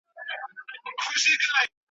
دا احساس بېرته ورکړي